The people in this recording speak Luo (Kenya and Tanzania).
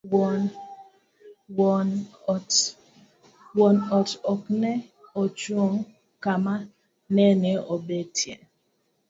Wuon ot okne ochung' kama nene obetie